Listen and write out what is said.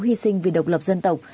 hy sinh vì độc lập dân tộc